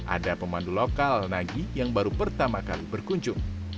ada pemandu lokal nagi yang baru pertama kali berkunjung